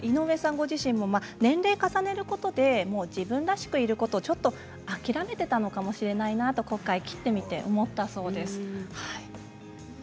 ご自身も年齢を重ねることで自分らしくいることをちょっと諦めていたのかもしれないなと今回、切ってみて思ったそうです。